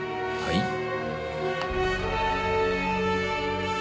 はい。